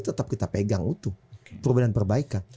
tetap kita pegang utuh perbedaan perbaikan